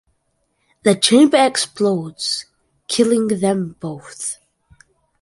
The chamber explodes, killing them both.